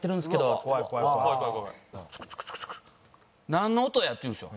なんの音や？って言うんですよ。